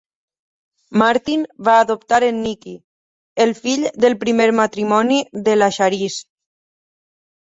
Martin va adoptar en Nicky, el fill del primer matrimoni de la Charisse.